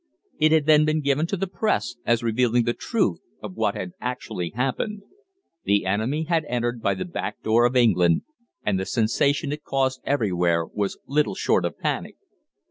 It had then been given to the Press as revealing the truth of what had actually happened. The enemy had entered by the back door of England, and the sensation it caused everywhere was little short of panic.